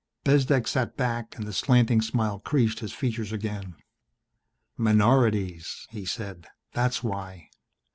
Bezdek sat back and the slanting smile creased his features again. "Minorities," he said. "That's why.